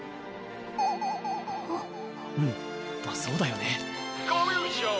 うんまあそうだよね